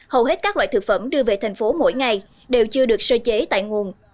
hầu hết các loại thực phẩm đưa về thành phố mỗi ngày đều chưa được sơ chế tại nguồn